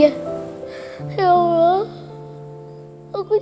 aku harusnya sholat dan berdoa